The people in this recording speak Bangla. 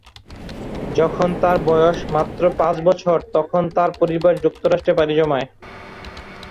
যখন তার বয়স মাত্র পাঁচ বছর তখন তার পরিবার যুক্তরাষ্ট্রে পারি জমান।